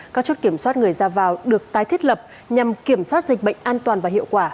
các chốt kiểm soát người ra vào được tái thiết lập nhằm kiểm soát dịch bệnh an toàn và hiệu quả